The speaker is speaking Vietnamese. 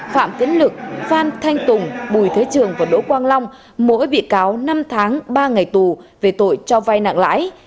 phạm tiến lực phan thanh tùng bùi thế trường và đỗ quang long mỗi bị cáo năm tháng ba ngày tù về tội cho vai nặng lãi